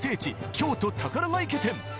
京都宝ヶ池店